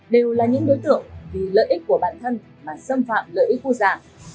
đều là những đối tượng vì lợi ích của bản thân mà xâm phạm lợi ích của giả